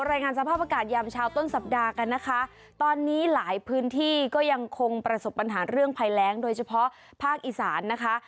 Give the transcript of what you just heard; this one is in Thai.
รายงานสภาพอากาศยามเช้าต้นสัปดาห์กันนะคะตอนนี้หลายพื้นที่ก็ยังคงประสบปัญหาเรื่องภัยแรงโดยเฉพาะภาคอีสานนะคะ